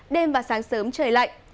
đêm và sáng sớm trời lạnh